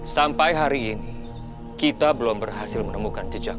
sampai hari ini kita belum berhasil menemukan jejak